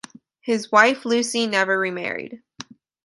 His wife Lucy never remarried.